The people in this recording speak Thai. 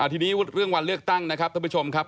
ทีนี้เรื่องวันเลือกตั้งนะครับท่านผู้ชมครับ